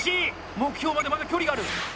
目標まで、まだ距離がある！